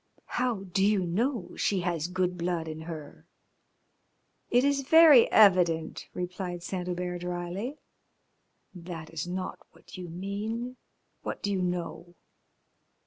"How do you know she has good blood in her?" "It is very evident," replied Saint Hubert drily. "That is not what you mean. What do you know?"